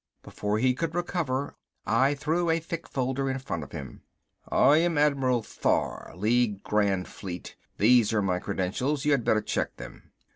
Before he could recover I threw a thick folder in front of him. "I am Admiral Thar, League Grand Fleet. These are my credentials. You had better check them."